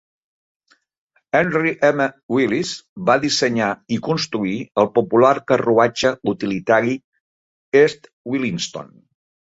Henry M. Willis va dissenyar i construir el popular carruatge utilitari East Williston.